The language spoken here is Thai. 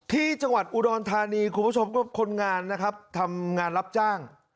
ที่จังหวัดอุดรธานีคุณผู้ชมก็คนงานนะครับทำงานรับจ้าง